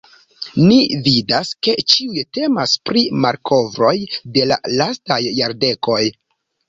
Ni vidas ke ĉiuj temas pri malkovroj de la lastaj jardekoj.